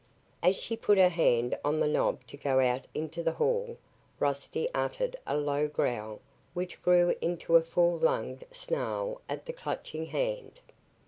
As she put her hand on the knob to go out into the hall, Rusty uttered a low growl which grew into a full lunged snarl at the Clutching Hand.